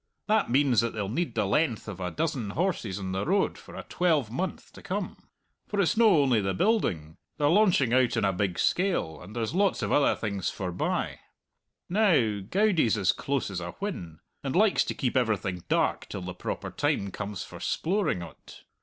That means that they'll need the length of a dozen horses on the road for a twelvemonth to come; for it's no only the building they're launching out on a big scale, and there's lots of other things forbye. Now, Goudie's as close as a whin, and likes to keep everything dark till the proper time comes for sploring o't.